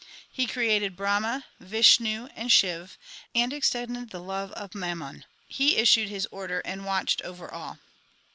He created Brahma, Vishnu, and Shiv, and extended the love of Mammon. He issued His order and watched over all.